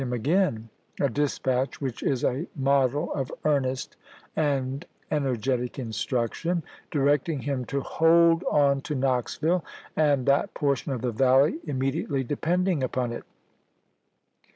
p.474. him again a dispatch which is a model of earnest and energetic instruction, du ecting him to hold on to Knoxville and that portion of the valley im mediately depending upon it.